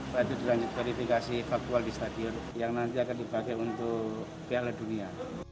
lalu dilanjut verifikasi faktual di stadion yang nanti akan dibagi untuk pla dunia